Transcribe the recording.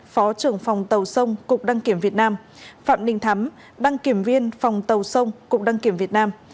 phó trưởng phòng tàu sông cục đăng kiểm việt nam phạm ninh thắm đăng kiểm viên phòng tàu sông cục đăng kiểm việt nam